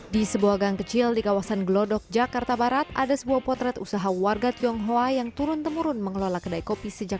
di sebuah gang kecil di kawasan gelodok jakarta barat ada sebuah potret usaha warga tionghoa yang turun temurun mengelola kedai kopi sejak seribu sembilan ratus dua puluh tujuh